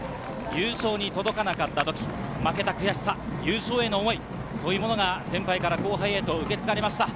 優勝に届かなかったとき、負けた悔しさ、優勝への思い、そういうものが先輩から後輩へと受け継がれました。